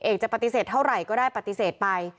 จะปฏิเสธเท่าไหร่ก็ได้ปฏิเสธไป